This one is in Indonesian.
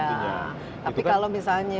tapi kalau misalnya